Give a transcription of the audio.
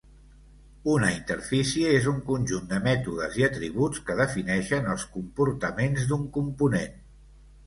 Una interfície és un conjunt de mètodes i atributs que defineixen els comportaments d'un component.